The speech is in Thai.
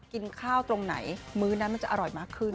กินข้าวตรงไหนมื้อนั้นมันจะอร่อยมากขึ้น